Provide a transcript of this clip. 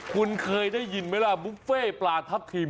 คุณเคยได้ยินไหมล่ะบุฟเฟ่ปลาทับทิม